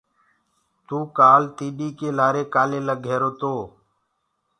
تو ڪآل تيڏي ڪي لآري ڪآلي لگرهيرو تو۔